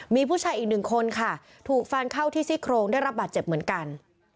มีผู้ชายอีกหนึ่งคนค่ะถูกฟันเข้าที่ซี่โครงได้รับบาดเจ็บเหมือนกัน